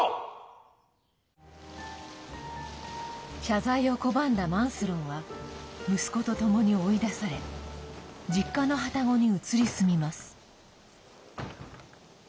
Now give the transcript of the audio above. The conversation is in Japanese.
謝罪を拒んだマンスロンは息子とともに追い出され実家のはたごに移り住みます。